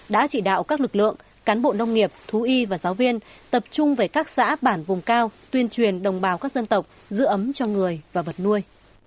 đã chỉ đạo các lực lượng cán bộ nông nghiệp thú y và giáo viên tập trung về các xã bản vùng cao tuyên truyền đồng bào các dân tộc giữ ấm cho người và vật nuôi